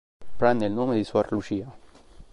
Prende il nome di suor Lucia.